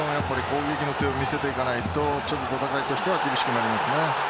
攻撃の手を見せていかないとちょっと戦いとしては厳しくなりますね。